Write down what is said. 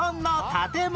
建物？